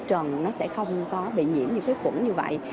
trần nó sẽ không có bị nhiễm những cái khuẩn như vậy